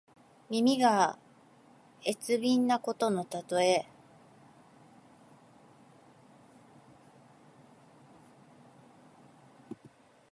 耳が鋭敏なことのたとえ。師曠のように耳がさといという意味。